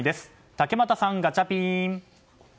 竹俣さん、ガチャピン！